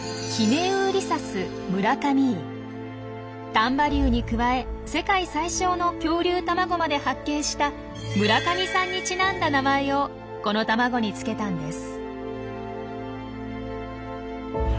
丹波竜に加え世界最小の恐竜卵まで発見した村上さんにちなんだ名前をこの卵につけたんです。